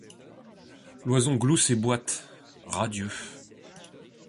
L'oison glousse et boite, radieux ;